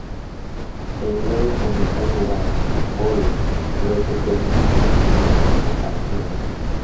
Pero luego comenzó a jugar polo, lo que terminó siendo su máxima pasión.